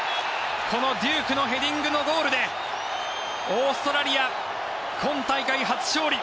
このデュークのヘディングのゴールでオーストラリア今大会初勝利。